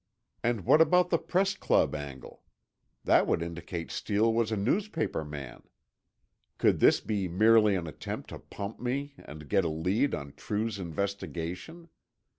And what about the Press Club angle? That would indicate Steele was a newspaperman. Could this be merely an attempt to pump me and get a lead on True's investigation?